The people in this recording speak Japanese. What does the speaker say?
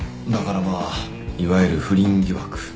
だからまあいわゆる不倫疑惑。